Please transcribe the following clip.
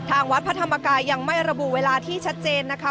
วัดพระธรรมกายยังไม่ระบุเวลาที่ชัดเจนนะคะ